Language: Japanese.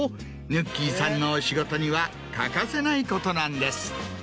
ぬっきぃさんのお仕事には欠かせないことなんです。